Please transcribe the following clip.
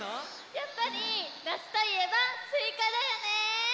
やっぱりなつといえばすいかだよね！